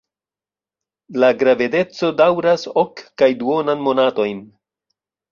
La gravedeco daŭras ok kaj duonan monatojn.